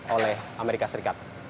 oleh amerika serikat